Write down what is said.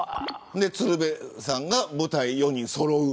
鶴瓶さんが舞台４人そろう。